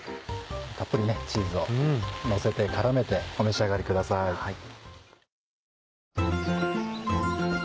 たっぷりチーズをのせて絡めてお召し上がりください。